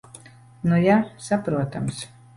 Nu ja. Saprotams.